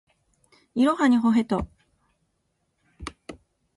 いろはにほへと